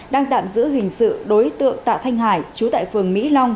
đang tạm giữ hình sự đối tượng tạ thanh hải chú tại phường mỹ long